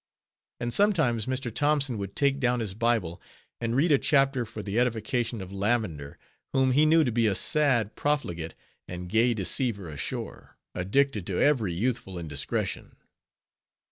And sometimes Mr. Thompson would take down his Bible, and read a chapter for the edification of Lavender, whom he knew to be a sad profligate and gay deceiver ashore; addicted to every youthful indiscretion.